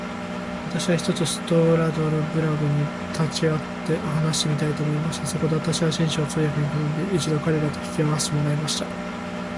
私は、ひとつストラルドブラグたちに会って話してみたいと思いました。そこで私は、紳士を通訳に頼んで、一度彼等と引き合せてもらいました。